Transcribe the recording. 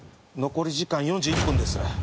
残り時間４１分です。